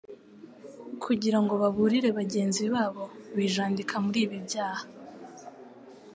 kugira ngo baburire bagenzi babo bijandika muri ibi byaha